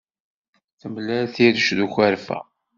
Temlal tirect d ukerfa.